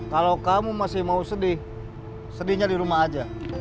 kalau kamu masih mau sedih sedihnya di rumah aja